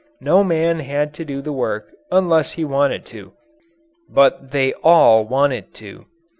No man had to do the work unless he wanted to. But they all wanted to.